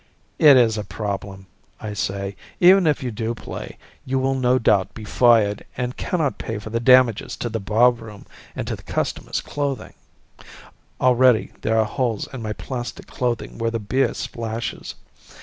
"It is a problem," I say. "Even if you do play, you will no doubt be fired and cannot pay for the damages to the bar room and to the customers' clothing." Already there are holes in my plastic clothing where the beer splashes.